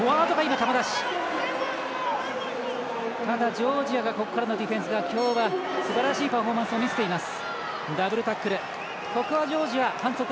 ジョージアがここからのディフェンス今日は、すばらしいパフォーマンスを見せています。